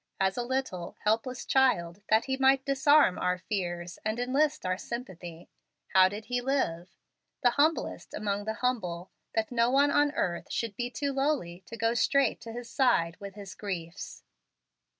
As a little, helpless child, that he might disarm our fears and enlist our sympathy. How did He live? The humblest among the humble, that no one on earth should be too lowly to go straight to His side with his griefs.